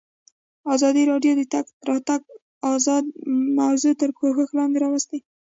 ازادي راډیو د د تګ راتګ ازادي موضوع تر پوښښ لاندې راوستې.